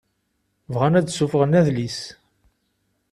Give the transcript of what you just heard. Bɣan ad d-suffɣen adlis.